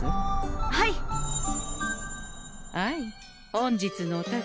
本日のお宝